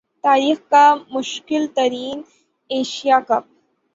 تاریخ کا مشکل ترین ایشیا کپ